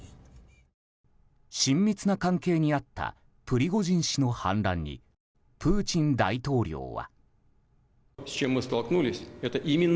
親密な関係にあったプリゴジン氏の反乱にプーチン大統領は。